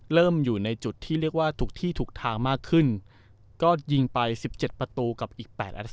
อยู่ในจุดที่เรียกว่าถูกที่ถูกทางมากขึ้นก็ยิงไป๑๗ประตูกับอีก๘นาที